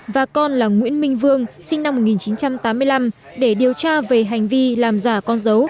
và con là nguyễn minh vương sinh năm một nghìn chín trăm tám mươi năm để điều tra về hành vi làm giả con dấu